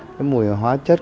cái mùi hóa chất